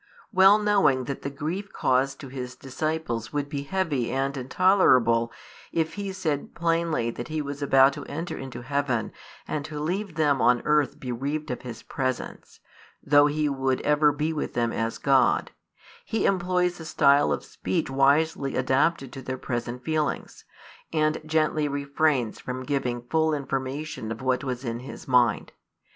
Well knowing that the grief caused to His disciples would be heavy and intolerable if He said plainly that He was about to enter into heaven and to leave them on earth bereaved of His presence, though He would ever be with them as God, He employs a style of speech wisely adapted to their present feelings, and gently refrains from giving full information of what was in His mind.